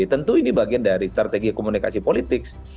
tentu ini bagian dari strategi komunikasi politik